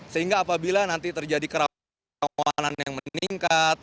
sehingga apabila nanti terjadi kerawanan yang meningkat